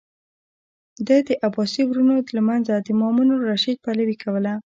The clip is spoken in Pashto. ده د عباسي ورونو له منځه د مامون الرشید پلوي کوله.